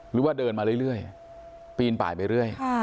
หรือว่าเดินมาเรื่อยปีนป่ายไปเรื่อย